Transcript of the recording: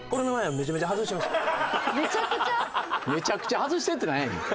「めちゃくちゃ外して」ってなんやねん。